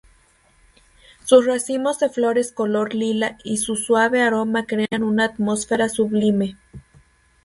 Sus racimos de flores color lila y su suave aroma crean una atmósfera sublime.